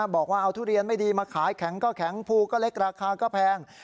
บอกว่าเอาทุเรียนไม่ดีมาขายแข็งก็แข็งภูก็เล็กราคาก็แพง